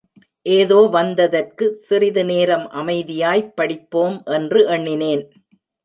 ஏதோ வந்ததற்கு சிறிது நேரம் அமைதியாய்ப் படிப்போம் என்று எண்ணினேன்.